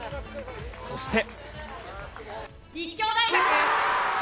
そして。